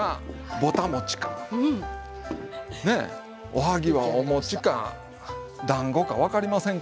おはぎはお餅かだんごか分かりませんけどもね